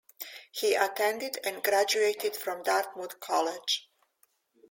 He attended and graduated from Dartmouth College.